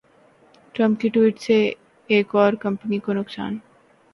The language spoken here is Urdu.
ٹرمپ کی ٹوئیٹ سے ایک اور کمپنی کو نقصان